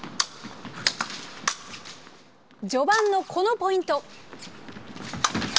序盤のこのポイント。